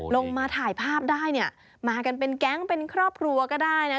ลงมาถ่ายภาพได้เนี่ยมากันเป็นแก๊งเป็นครอบครัวก็ได้นะ